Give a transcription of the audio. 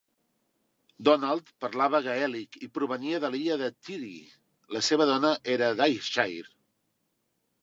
Donald parlava gaèlic i provenia de l'illa de Tiree; la seva dona era d'Ayrshire.